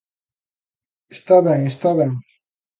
Está ben, está ben.